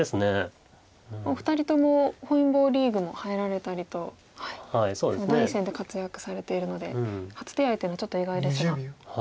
お二人とも本因坊リーグも入られたりと第一線で活躍されているので初手合というのはちょっと意外ですが。